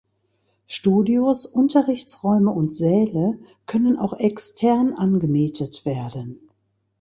Studios, Unterrichtsräume und Säle können auch extern angemietet werden.